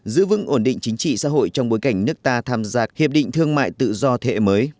giữ vững ổn định chính trị xã hội trong bối cảnh nước ta tham gia hiệp định thương mại tự do thế hệ mới